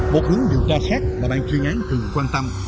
một hướng điều tra khác mà bạn chuyên án cần quan tâm